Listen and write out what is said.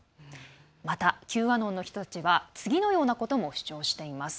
また、Ｑアノンの人たちは次のようなことも主張しています。